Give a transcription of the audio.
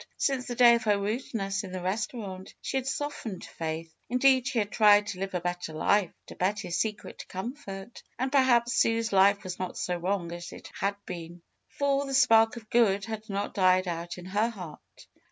Since the day of her rudeness in the restaurant she had softened to Faith. Indeed, she had tried to live a better life, to Betty's secret comfort. And perhaps Sue's life was not so wrong as it had been. For the spark of good had not died out in her heart.